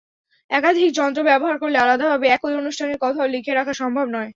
একাধিক যন্ত্র ব্যবহার করলে আলাদাভাবে একই অনুষ্ঠানের কথাও লিখে রাখা সম্ভব নয়।